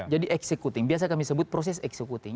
jadi eksekuting biasa kami sebut proses eksekuting